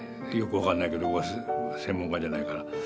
よく分かんないけど専門家じゃないから。